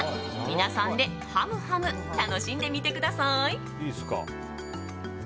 皆さんでハムハム楽しんでみてください。